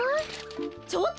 ちょっと！